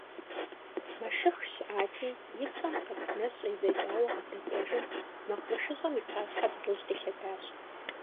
Мэшых щыӏати, и плӏэм къэп нэщӏ едзэкӏауэ къыздэкӏуэжым, мэкъумэшыщӏэм и пащхьэ дыгъужь къилъэдащ.